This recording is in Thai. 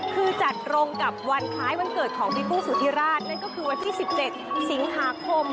คือจัดตรงกับวันคล้ายวันเกิดของพี่กุ้งสุธิราชนั่นก็คือวันที่๑๗สิงหาคม